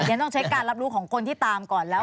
ฉันต้องใช้การรับรู้ของคนที่ตามก่อนแล้ว